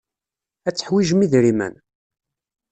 Ad teḥwijem idrimen.